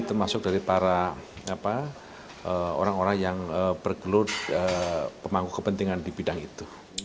termasuk dari para orang orang yang bergelut pemangku kepentingan di bidang itu